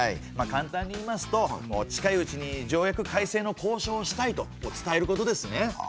簡単にいいますと近いうちに条約改正の交渉をしたいと伝えることですね。